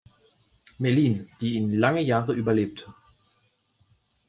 Mellin, die ihn lange Jahre überlebte.